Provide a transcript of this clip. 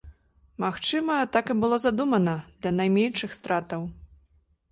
Магчыма, так і было задумана, для найменшых стратаў.